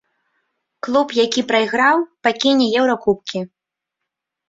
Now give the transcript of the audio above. Клуб, які прайграў, пакіне еўракубкі.